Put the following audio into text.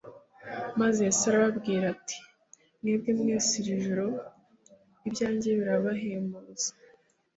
Maze Yesu arababwira ati “Mwebwe mwese iri joro ibyanjye birabahemuza